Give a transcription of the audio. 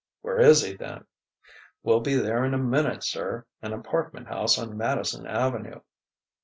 "Where is he, then?" "We'll be there in a minute, sir an apartment house on Madison Avenue."